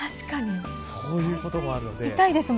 そういうこともあるので。